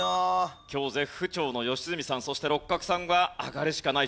今日絶不調の良純さんそして六角さんは上がるしかない状況。